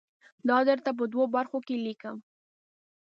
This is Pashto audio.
دا درته په دوو برخو کې لیکم.